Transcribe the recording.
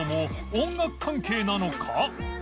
音楽関係なのか？